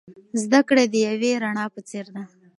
زده کړه د یوې رڼا په څیر ده.